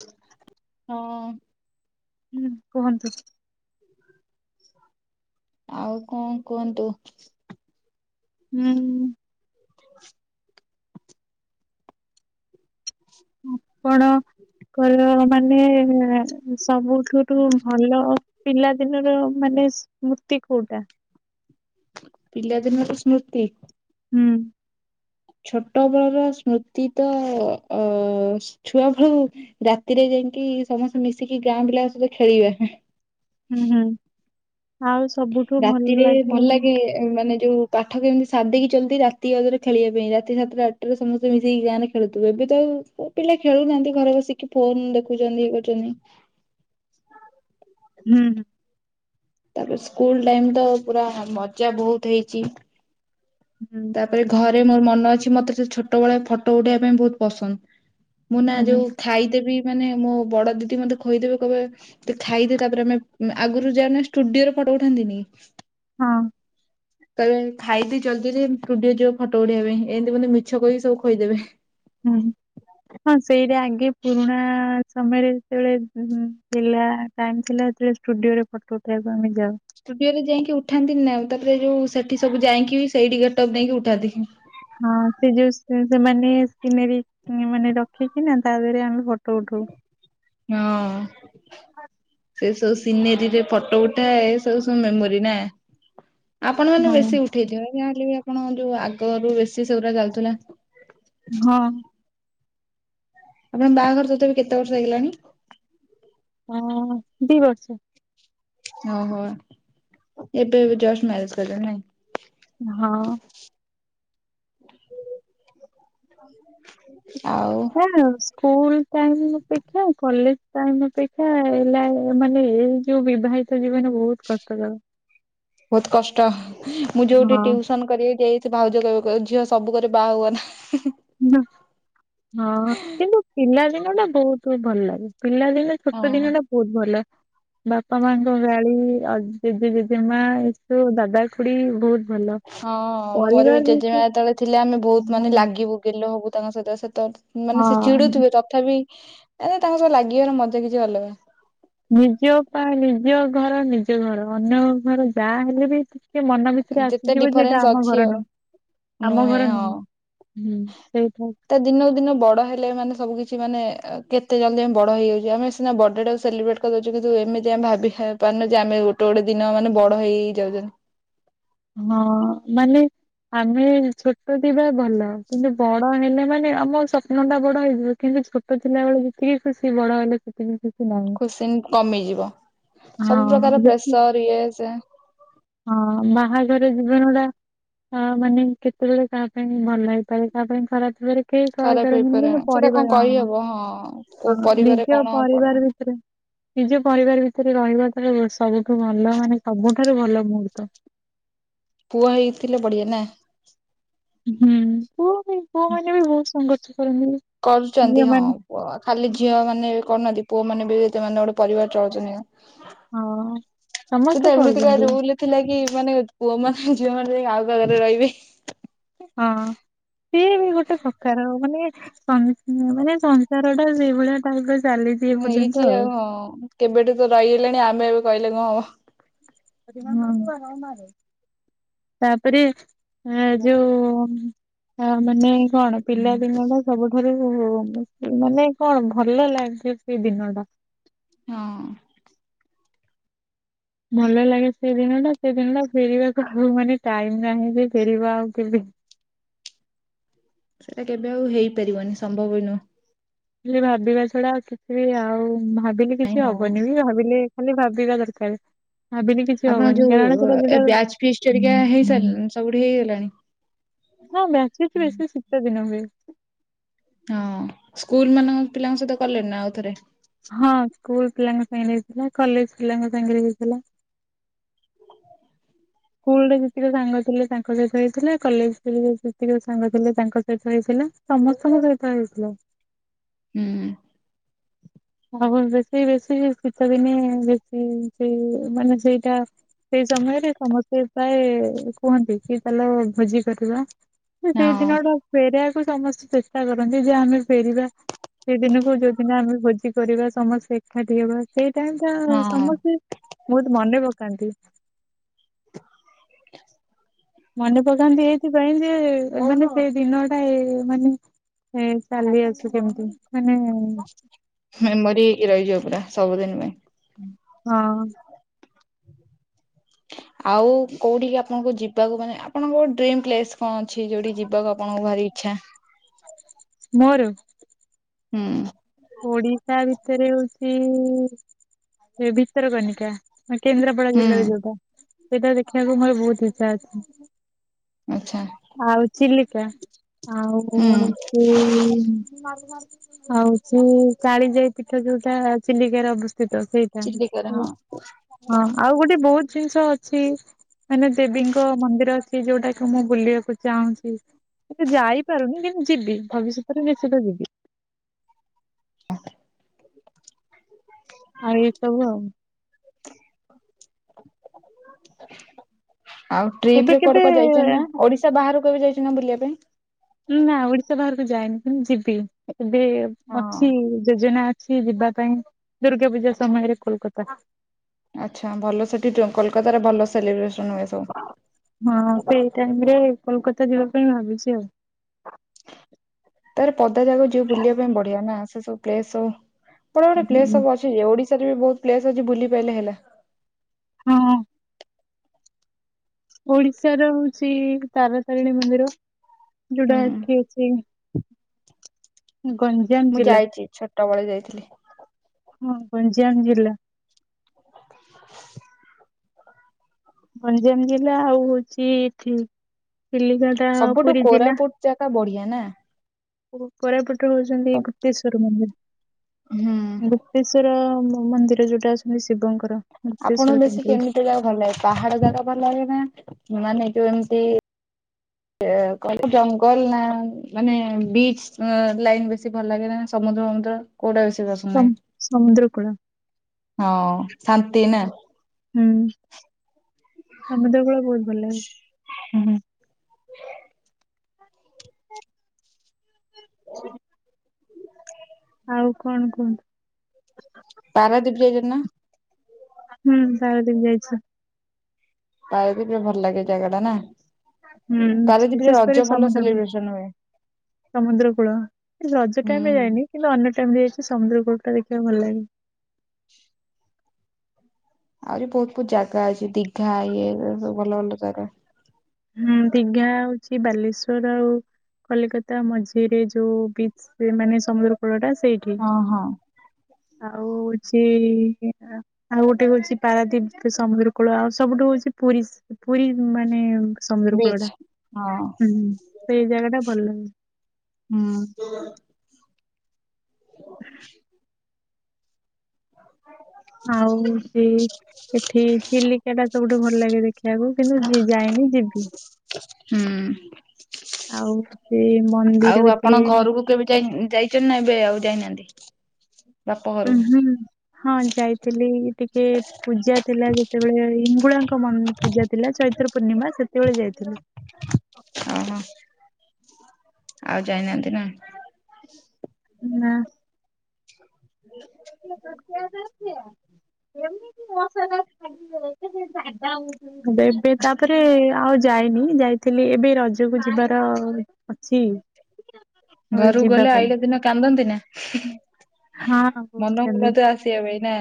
ହ ହଁ। ହୁଁ କୁହନ୍ତୁ। ଆଉ କଣ କୁହନ୍ତୁ? ହୁଁ। କଣ କର ମାନେ ସବୁଠୁରୁ ଭଲ ପିଲାଦିନର ମାନେ ସ୍ମୃତି କୋଉଟା? ପିଲାଦିନର ସ୍ମୃତି ହୁଁ ଛୋଟବେଳର ସ୍ମୃତି ତ ଅ ଅ ସ ଛୁଆ ଭଳୁ ରାତିରେ ଯାଇକି ସମସ୍ତେ ମିଶିକି ଗାଁ ପିଲାଙ୍କ ସହିତ ଖେଳିବା ହୁଁ ହୁଁ ଆଉ ସବୁଠୁ ଭଲ ଲାଗିବ। ଏ ମାନେ ଯୋଉ ପାଠ କେମିତି ସାରିଦେଇକି ଜଲଦି ରାତି ଅଧରେ ଖେଳିବା ପାଇଁ ରାତି ସାତଟା ଆଟା ରେ ସମସ୍ତେ ମିଶେଇକି ଗାଁରେ ଖେଳୁଥିବୁ ଏବେ ତ ପିଲା ଖେଳୁନାହାନ୍ତି ଘରେ ବସିକି ଫୋନ ଦେଖୁଛନ୍ତି ଇଏ କରୁଛନ୍ତି ହୁଁ ହୁଁ ତାପରେ ସ୍କୁଲ ଟାଇମ ତ ପୁରା ମଜା ବହୁତ ହେଇଛି। ହୁଁ ତାପରେ ଏ ଘରେ ମୋର ମନ ଅଛି ମତେ ସେ ଛୋଟ ବେଳିଆ ଫଟୋ ଉଠେଇବା ପାଇଁ ବହୁତ ପସନ୍ଦ ମୁଁ ନା ହୁଁ ହୁଁ ଯୋଉ ଖାଇଦେବି ମାନେ ମୋ ବଡ ଦିଦି ମତେ ଖୁଇଦେବେ କହିବେ ତ ଖାଇଦି ତାପରେ ଆମେ ଆଗରୁ ଯାନା ଷ୍ଟୁଡିଓରେ ଫଟୋ ଉଠାନ୍ତିନି। ହଁ। କହିବେ ଖାଇଦି ଜଲ୍ଦିରେ ଷ୍ଟୁଡିଓ ଯିବ ଫଟୋ ଉଢେଇବା ପାଇଁ ଏମିତି ମୋତେ ମିଛ କହିକି ସବୁ କହିଇଦେବେ। ହୁଁ। ହଁ ସେଇଟା ଆଗେ ପୁରୁଣା ସମୟରେ ଯେତେବେଳେ ଉ ହୁ ଥିଲା। ଟାଇମ୍ ଥିଲା ସେଥିରେ ଷ୍ଟୁଡିଓ ରେ ଫଟୋ ଉଠାଇବାକୁ ଆମେ ଯାଉ ଷ୍ଟୁଡିଓରେ ଯାଇକି ଉଠାନ୍ତିନି ନାଉ ତାପରେ ଯୋଉ ସେଠି ସବୁ ଯାଇକି ବିସେଇଠି ଗେଟପ ଦେଇକି ଉଠାନ୍ତି। ହଁ ସେ ଯୋଉ ସେମାନେ ସିନାରୀ ମାନେ ରଖିକି ନା ତା ଦେହରେ ଆମେ ଫଟୋ ଉଠାଉ। ହଁ। ସେ ସବୁ ସିନେରୀ ରେ ଫଟୋ ଉଠାଏ ସବୁ ସବୁ ମେମୋରି ନା। ଆପଣ ମାନେ ହଁ ବେଶୀ ଉଠେଇଥିବ ଯା ହେଲେ ବି ଆପଣ ଯୋଉ ଆଗରୁ ବେଶୀ ସେଗୁଡା ଚାଲୁଥିଲା। ହଁ। ଆପଣ ବାହାଘର ସବୁ ତ କେତେ କେତେ ବର୍ଷ ହେଇଗଲାଣି? ହଁ ଦି ବର୍ଷ। ଓହୋ ଏବେ ଏବେ ଜଷ୍ଟ ମ୍ୟାରେଜ କଲେ ନାଇଁ। ହଁ। ଆଉ? ନା ସ୍କୁଲ ଟାଇମ୍ ଅପେକ୍ଷା କଲେଜ ଟାଇମ ଅପେକ୍ଷା ଏଇଲା ମାନେ ଏ ଯଉ ବିବାହିତ ଜୀବନ ବହୁତ କଷ୍ଟକର। ବହୁତ କଷ୍ଟ ମୁଁ ଯୋଉଠି ହଁ ଟିଉସନ କରିକି ଯାଇଛି ଭାଉଜ କଇ ବଝିଅ ସବୁକରେ ବାହା ହୁଅନା। ହଁ କିନ୍ତୁ ପିଲାଦିନ ଟା ବହୁତ ଭଲ ଲାଗେ ପିଲାଦିନ ଛୋଟ ହଁ ଦିନ ଟା ବହୁତ ଭଲ ବାପା ମାଙ୍କ ଗାଳି ଆଉ ଜେଜେ, ଜେଜେମା ଏସବୁ ଦାଦା, ଖୁଡି ବହୁତ ଭଲ। ହଁ ମୋର ପରିବାର ବି ଜେଜେମା ବିଷୟ ଯେତେବେଳେ ଥିଲେ ଆମେ ବହୁତ ମାନେ ହଁ ଲାଗିବୁ ଗେଲ ହବୁ ତାଙ୍କ ସହିତ ସେତେବେଳେ ମାନେ ସେ ହଁ ଚିଡୁଥିବେ ତଥାପି ଆରେ ତାଙ୍କ ସ ଲାଗିବାର ମଜା କିଛି ଅଲଗା। ନିଜ ପାଇଁ ନିଜ ଘର ନିଜ ଘର ଅନ୍ୟ ଘର ଯାହା ହେଲେ ବି। ସେ ମନ ଭିତରେ ଯେତେ ଆସିଯିବ ଯେ ଏଟା ଡିଫରେନ୍ସ ଆମ ଅଛି ଘର ଆଉ ନୁହଁ ଆମ ନୁହେଁ ଘର ନୁହଁ ହଁ। ହୁଁ ସେଇଠୁଁ। ତା ଦିନକୁ ଦିନ ବଡ଼ ହେଲେ ମାନେ ସବୁ କିଛି ମାନେ କେତେ ଜଲଦି ଆମେ ବଡ ହେଇଯାଉଛି ଆମେ ସିନା ବଡ ଟାକୁ ସେଲିବ୍ରେଟ କରିଦୋଉଛୁ କିନ୍ତୁ ଏମିତି ଆମେ ଭାବି ହେଇ ପାରୁନୁ ଯେ ଆମେ ଗୋଟେ ଗୋଟେ ଦିନ ମାନେ ବଡ ହେଇ ହେଇଯାଉଛନ୍ତି। ହଁ ମାନେ ଆମେ ଛୋଟ ଥିବା ଭଲ କିନ୍ତୁ ବଡ ହେଲେ ମାନେ ଆମ ସ୍ୱପ୍ନ ଟା ବଡ ହେଇଯିବ କିନ୍ତୁ ଛୋଟ ଥିଲାବେଳେ ଯେତିକି ଖୁସି ବଡ ହେଲେ ସେତିକି ଖୁସି ନାହିଁ ଖୁସିଇ କମିଯିବ ସବୁ ହଁ ପ୍ରକାର ଯେତିକି ପ୍ରେସର ଇଏ ସେ ହଁ ବା। ବାହାଘର ଜୀବନ ଟା ଅ ମାନେ କେତେବେଳେ କାହା ପାଇଁ ଭଲ ହେଇପାରେ କାହା ପାଇଁ ଖରାପ ହେଇ। କେହି କହି ଖରାପ ହେଇପାରେ ପରାନ୍ତିନି ସେଟା କଣ ପରିବାର ହଁ କହିହବ ହଁ କୋଉ ହଁ ପରିବାରେ ନିଜ କଣ ପଡେ ପରିବାର ଭିତରେ ନିଜ ପରିବାର ଭିତରେ ରହିବା ତାର ସବୁଠୁ ଭଲ ମାନେ ସବୁଠାରୁ ଭଲ ମୁହୂର୍ତ୍ତ। ପୁଅ ହେଇଥିଲେ ବଢିଆ ନା? ହୁଁ ପୁଅ ବି ପୁଅ ମାନେ ବି ବହୁତ ସଂଘର୍ଷ କରନ୍ତି କରୁଛନ୍ତି ହଁ ଝିଅମାନେ ପୁଅ ଖାଲି ଝିଅ ମାନେ କରୁନାହାନ୍ତି ପୁଅ ମାନେ ବି ସେମାନେ ଗୋଟେ ପରିବାର ହଁ ଚଳଉଛନ୍ତି। ସମସ୍ତେ କିନ୍ତୁ ଏମିତିକା କରୁଛନ୍ତି ରୁଲ ଥିଲା କି ମାନେ ପୁଅ ମାନେ ଝିଅ ମାନେ ଯି ଆଉ କା ଘରେ ରହିବେ ହଁ। ସିଏ ବି ଗୋଟେ ପ୍ରକାର ମାନେ ମାନେ ସଂସାର ଟା ସେଇଭଳିଆ ତାଙ୍କର ଚାଲିଛି ଏ ପର୍ଯ୍ୟନ୍ତ ଆଉ ହଁ। କେବେଠୁ ତ ରହିଗଲେଣି ଆମେ ଏବେ କହିଲେ କଣ ହବ? ହଁ ପା ହିଁ ମାରେ ତାପରେ ଏ ଯୋଉ ଆ ମାନେ କଣ ପିଲାଦିନଟା ସବୁଠାରୁ ମାନେ କଣ ଭଲ ଲାଗୁଛି ଦିନଟା ହଁ। ଭଲ ଲାଗେ ସେଦିନ ଟା ସେଦିନ ଟା ଫେରିବାକୁ ଆଉ ମାନେ ଟାଇମ ନାହିଁ ଯେ ଫେରିବା ଆଉ କେବେ ସେଇଟା କେବେ ଆଉ ହେଇପାରିବନି ସମ୍ଭବ ନୁହଁ ଖାଲି ଭାବିବା ଛଡା କିଛି ବି ଆଉ ଭାବିଲି କିଛି ହବନି ବି ଭାବିଲି ଖାଲି ଭାବିବା ଦରକାର ଭାବିଲି କିଛି ଆପଣ ହବନି ଯୋଉ କାରଣ ସେଟା ଯୋଉଟା ଏ ବ୍ୟାଚ୍ ଫିଷ୍ଟ ହେରିକା ହୋଇସାରିଲାଣି ସବୁଠି ହେଇଗଲାଣି? ହଁ ବ୍ୟାଚଫିଷ୍ଟ ବେଶିଶୀତ ଦିନେ ହୁଏ। ହଁ ସ୍କୁଲ ମାନଙ୍କ ପିଲାଙ୍କ ସହିତ କଲେଣି ନା ଆଉ ଥରେ? ହଁ ସ୍କୁଲ ପିଲାଙ୍କ ସାଙ୍ଗରେ ହେଇଥିଲା କଲେଜ ପିଲାଙ୍କ ସାଙ୍ଗରେ ହେଇଥିଲା। ସ୍କୁଲ ରେ ଯେତିକି ସାଙ୍ଗ ଥିଲେ ତାଙ୍କ ସହିତ ହେଇଥିଲା। କଲେଜ ଯେତିକ ସାଙ୍ଗ ଥିଲେ ତାଙ୍କ ସହିତ ହେଇଥିଲା। ସମସ୍ତଙ୍କ ସହିତ ହେଇଥିଲା। ହୁଁ। ହଉ ବେଶି ବେଶି ଶୀତ ଦିନେ ବେଶି ସେ ମାନେ ସେଇଟା ସେଇ ସମୟରେ ସମସ୍ତେ ପ୍ରାୟ କୁହନ୍ତି କି ଚାଲ ଭୋଜି କରିବା। ସେ ସେଇ ହଁ ଦିନୋ ଗୁଡା ଫେରିବାକୁ ସମସ୍ତେ ଚେଷ୍ଟା କରନ୍ତି ଯେ ଆମେ ଫେରିବା ସେଦିନକୁ ଯୋଉଦିନ ଆମେ ଭୋଜି କରିବା ସମସ୍ତେ ଏକାଠି ହେବା ସେଇଟାଇମି ଟା ହଁ ସମସ୍ତେ ବହୁତ ମନେ ପକାନ୍ତି। ମନେ ପକାନ୍ତି ଏଇଥିପାଇଁ ଯେ ମାନେ ସେ ଦିନ ଟା ମାନେ ହେ ଚାଲି ଆସୁ କେମତି ମାନେ ମେମୋରି ହେଇକି ରହିଯିବ ପୁରା ସବୁଦିନ ପାଇଁ। ହଁ। ଆଉ କୋଉଠି ଆପଣଙ୍କୁ ଯିବାକୁ ମାନେ ଆପଣଙ୍କ ଡ୍ରିମ୍ ପ୍ଲେସ୍ କଣ ଅଛି ଯୋଉଠି ଯିବାକୁ ଆପଣଙ୍କୁ ଭାରି ଇଚ୍ଛା। ମୋର? ହୁଁ। ଓଡିଶା ଭିତରେ ହଉଛି ଏ ଭିତରକନିକା। କେନ୍ଦ୍ରାପଡା ହୁଁ ଜିଲ୍ଲାରେ ଯୋଉଟା ସେଇଟା ଦେଖିବାକୁ ମୋର ବହୁତ ଇଚ୍ଛା ଅଛି। ଆଚ୍ଛା ଆଉ ଚିଲିକା ଆଉ ହୁଁ ହୁ ହଉ ହୁଁ କାଳି ଯାଇ ପିଠା ଯୋଉଟା ଚିଲିକାରେ ଅବସ୍ଥିତ ସେଇଟା ଚିଲିକାରେ ହଁ। ହଁ ଆଉ ଗୋଟେ ବହୁତ ଜିନିଷ ଅଛି ମାନେ ଦେବୀଙ୍କ ମନ୍ଦିର ଅଛି ଯୋଉଟାକୁ ମୁଁ ବୁଲିବାକୁ ଚାହୁଁଛି। ସେ ଯାଇପାରୁନି କିନ୍ତୁ ଯିବି ଭବିଷ୍ୟତରେ ନିଛିନ୍ତ ଯିବି। ହ ଆଉ ଏଇ ସବୁ ଆଉ ଆଉ ଟ୍ରିପ କେବେ ରେ କୁଆଡେ କେବେ କୁଆଡେ ଯାଇଛନ୍ତି ନା ଓଡିଶା ବାହାରକୁ କେବେ ଯାଇଛନ୍ତି ନା ବୁଲିବା ପାଇଁ? ନା ଓଡିଶା ବାହାରକୁ ଯାଏନି କିନ୍ତ ଯିବି ଏବେ ହଁ ଅଛି ଯୋଜନା ସିଏ ଯିବା ପାଇଁ ଦୁର୍ଗା ପୂଜା ସମୟରେ କୋଲକାତା ଆଚ୍ଛା ଭଲ ସେଠି କୋଲକାତାରେ ଭଲ ସେଲିବ୍ରେସନ ହୁଏ ସବୁ ହଁ ସେଇ ଟାଇମ ରେ କୋଲକାତା ଯିବା ପାଇଁ ଭାବିଛି ଆଉ ତାାର ପଦା ଯାଗ ଯୋଉ ବୁଲିବା ପାଇଁ ବଢିଆ ନା ସେ ସବୁ ପ୍ଲେସ ସବ ବଢଡେ ବଢଡେ ପ୍ଲେସ ସବୁ ଅଛି ଓଡିଶାରେ ବି ବହୁତ ପ୍ଲେସ ଅଛି ବୁଲି ପ ପାଇଲେ ହେଲା ହଁ ଓଡିଶାର ହଉଛି ତାରାତାରିଣୀ ମନ୍ଦିର ଯୋଉଟା ହୁଁ ଏଠି ଅଛି ଗଞ୍ଜାମ ମୁଁ ଜିଲ୍ଲା ଯାଇଛି ଛୋଟବେେଳେ ଯାଇଥିଲି ହଁ ଗଞ୍ଜାମ ଜିଲ୍ଲା ଗଞ୍ଜାମ ଜିଲ୍ଲା ଆଉ ହଉଛି ଏଠି ଚିଲଗଟା ସବୁଠୁ ପୁରୀ ଜିଲ୍ଲା କୋରାପୁଟ ଜାଗା ବଢିଆ ନା କୋରାପଟରେ ହଉଛନ୍ତି ଗୁପ୍ତେଶ୍ଵର ହୁଁ ମନ୍ଦିର ଗୁପ୍ କେଶଵର ମନ୍ଦିର ଯୋଉଟା ଅଛନ୍ତି ଶିବଙ୍କର ଆପଣ ଗୁପ୍ତେଶ୍ଵର ବେଶୀ ଟେମ୍ପଲ କେମିତି ଜାଗା ଭଲ ହେ ପାହାଡ ଜାଗା ଭଲ ହାଗେ ନା ମାନେ ଯୋଉ ଏମତି କହ ଜଙ୍ଗଲ ନା ମାନେ ବିଚ୍ ଲାଇନ ବ ବେଶ ଭଲ ଲାଗେ ନା ସମୁଦ୍ର ସମୁଦ୍ର କୋଉଟା ବେଶ ସମ ସମୁଦ୍ରକୁଡ଼ ହଁ ଶାନ୍ତି ନା ହୁଁ ଆମେ ଦେଗଳି ବହୁତ୍ ହୁଁ ଆଉ କଣ କୁହନ୍ତୁ ହଁ ପାରାଦୀପ ଯାଇଚନା ହୁଁ ପାରାଦିପ୍ ଯାଇଛ ପାଇବି ପ ଭଲ ଲାଗେ ଜାଗା ଟା ନା ହୁଁ କାର ଦପରେ ବିଶେଷ କରି ରଜ ଭଲ ସମୁଦ୍ର କୂଳ। ସେଲିବ୍ରେସନ ହୁଏ ସମୁଦ୍ର କୂଳ ଏ ରଜ ଟାଇମ ରେ ହୁଁ ଯାଇନି କିନ୍ତୁ ଅନ୍ୟ ଟାଇମ ରେ ଯାଇଛି ସମୁଦ୍ର କୂଳ ଟା ଦେଖିବାକୁ ଭଲ ଲାଗେ ଆହୁରି ବହୁତ ବହୁତ ଜାଗା ଅଛି ଦିଘା ଇଏ ସବୁ ଭଲ ଭଲ ଜାଗା ହୁଁ ଦୀଘା ହଉଛି ବାଲେଶ୍ଵର ଆଉ କଲିକତା ମଝିରେ ଯୋଉ ବିଚ ମାନେ ସମୁଦ୍ର କୂଳ ଟା ସେଇ ହଁ ହଁ ଆଉ ହଉଛି ଆଉ ଗୋଟେ ହଉଛି ପାରାଦଵୀପ ସମୁଦ୍ର କୂଳ ଆଉ ସବୁଠୁ ହଉଛି ପୁରୀ ପୁରୀ ମାନେ ସମୁଦ୍ର କୂଳ ବିଚ୍ ଟା ହଁ ହୁଁୁ ସେଇ ଜାଗା ଟା ଭଲ ଲ ହୁଁ ହ ହ ଆଉ ସେ ଏଠି ଚିଲି ସେଟା ସବୁଠୁ ଭଲ ଲାଗେ ଦେଖିବାକୁ କିନ୍ତୁ ଯିଏ ଯାଇନି ଯିବି ହୁଁ ଆଉ ସେ ଆଉ ମନ୍ଦିର ଆପଣ ଭିତରେ ଘରକୁ କେବେ ଯାଇଛ ନା ଏବେ ଆଉ ଯାଇନାହାନ୍ତି ବାପ ହୁଁ ଘରକୁ ହୁଁ ହଁ ଯାଇଥିଲି ଟିକେ ପୂଜା ଥିଲା ଯେତେବେଳେ ଇଙ୍ଗୁଳାଙ୍କ ମନ୍ଦି ପୂଜା ଥିଲା ଚୈତ୍ର ପୂର୍ଣ୍ଣିମା ସେତେବେଳେ ଯାଇଥିଲା ଓହୋ ଆଉ ଯାଇନାହାନ୍ତି ନା? ନା। ହଁ ମସାଗ ଧାଗା ଏବେ ଏବେ ତାପରେ ଆଉ ଯାଇନି ଯାଇଥିଲି ଏବେ ରଜକୁ ଯିବାର ଅଛି ଆଉ ଘରକୁ ଯିବା ଗଲେ ପାଇଁ ଆଇଲା ଦିନ କାନ୍ଦନ୍ତି ନା ହଁ ମନକୁ କହୁଛନ୍ତି ମତେ ଆସ୍ ଆସିବା ପାଇଁ ନା?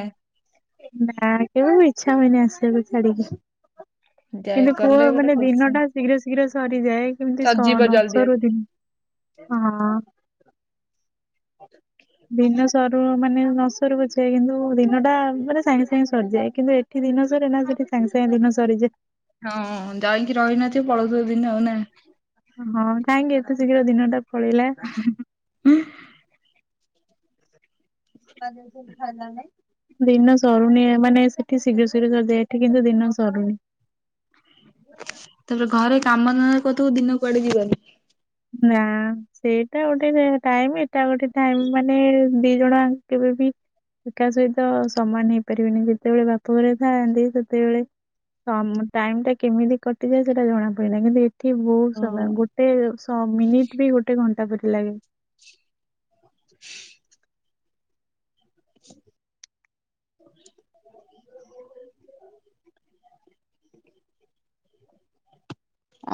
ନା କେବେ ଇଚ୍ଛା ହୁଏନି ଆସିବାକୁ ଛାଡିକି। ଯାଇ କିନ୍ତୁ ପୁଅ ଗଲେ ଗୋଟେ ମାନେ ଖୁସି ଦିନଟା ଶୀଘ୍ର ଶୀଘ୍ର ସରିଯାଏ। କେମତି ସରିଯିବ ସହନ ଜଲ୍ଦି ଜଲ୍ଦି ସରୁଦିନ୍ ହଁ। ଦିନ ସରୁ ମାନେ ନ ସରୁ ପଛେ କିନ୍ତୁ ଦିନଟା ମାନେ ସାଙ୍ଗେ ସାଙ୍ଗେ ସରିଯାଏ କିନ୍ତୁ ଏଠି ଦିନ ସରେନା ସେଠି ସାଙ୍ଗେ ସାଙ୍ଗେ ଦିନ ସରିଯଏ। ହଁ ଯାଇଁକି ରହିନଥିବେ ପଳୋଉଥୁବ ଦିନେ ଆଉ ନା। ହଁ କାହିଁକି ଏତେ ଶୀଘ୍ର ଦିନଟା ପଳେଇଲା। କାଲି ଯାଉଚନ୍ତି ଫାଇନାଲ ନାଇ। ଦିନ ସରୁନି ଏ ମାନେ ସେଠି ଶୀଘ୍ର ଶୀଘ୍ର ସରିଯାଏ ଏଠି କିନ୍ତୁ ଦିନ ସରୁନି। ତାପରେ ଘରେ କାମଧନ୍ଦା କରୁଥିବୁ ଦିନ କୁଆଡେ ଯିବନି। ନା। ସେଇଟା ଗୋଟେ ଯେ ଟାଇମ ଏଟା ଆଉ ଗୋଟେ ଟାଇମ ମାନେ ଦି ଜଣ ଆଁକ୍ କେବେବି ଏକା ସହିତ ସମାନ ହେଇପାରିବେନି ଯେତେବେଳେ ବାପ ଘରେ ଥାଆନ୍ତି ସେତେବେଳେ ସମ ଟାଇମଟା କେମିତି କଟିଯାଏ ସେଟା ଜଣା ପଡେନାହିଁ କିନ୍ତୁ ଏଠି ବୋହୁତ ସମୟ ଗୋଟେ ତ ମିନିଟ୍ ବି ଗୋଟେ ଘଣ୍ଟା ପରି ଲାଗେ। ହଁ